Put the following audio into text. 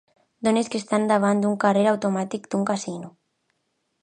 Dones que estan davant d'un caixer automàtic d'un casino.